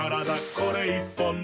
これ１本で」